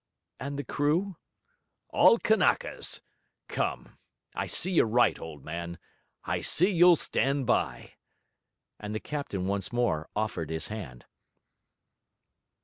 'And the crew?' 'All Kanakas. Come, I see you're right, old man. I see you'll stand by.' And the captain once more offered his hand.